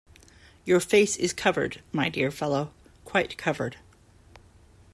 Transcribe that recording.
Your face is covered, my dear fellow, quite covered.